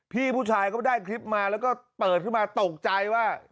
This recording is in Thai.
พี่ผู้ชายก็ได้คลิปมาแล้วก็เปิดขึ้นมาตกใจว่า